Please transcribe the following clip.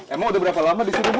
emang udah berapa lama di sini bu